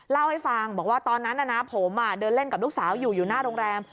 เล่าให้ฟังบอกว่าตอนนั้นผมเดินเล่นกับลูกสาวอยู่อยู่หน้าโรงแรม